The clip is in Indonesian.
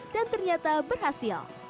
dan ternyata berhasil